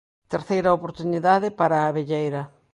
Terceira oportunidade para Abelleira.